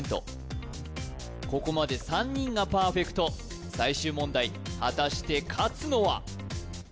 ここまで３人がパーフェクト最終問題果たして勝つのは？